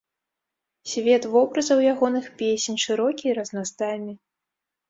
Свет вобразаў ягоных песень шырокі і разнастайны.